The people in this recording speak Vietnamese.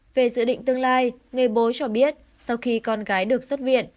về dự định tương lai người bố cho biết sau khi con gái được xuất viện